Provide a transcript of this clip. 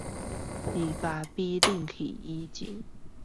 在咖啡冷掉之前